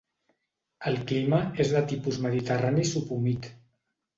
El clima és de tipus mediterrani subhumit.